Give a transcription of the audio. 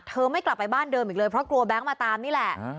ไม่กลับไปบ้านเดิมอีกเลยเพราะกลัวแบงค์มาตามนี่แหละ